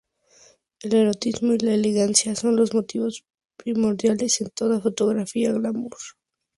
El erotismo y la elegancia son los motivos primordiales en toda fotografía glamour.